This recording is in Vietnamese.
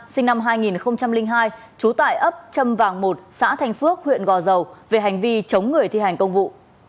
sinh năm hai nghìn hai trú tại ấp châm vàng một xã thanh phước huyện gò dầu về hành vi chống người thi hành công vụ